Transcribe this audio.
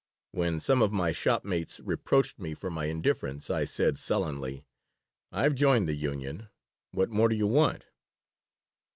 When some of my shopmates reproached me for my indifference I said, sullenly: "I've joined the union. What more do you want?"